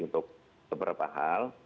untuk beberapa hal